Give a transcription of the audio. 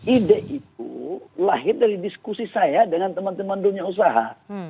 ide itu lahir dari diskusi saya dengan teman teman dunia usaha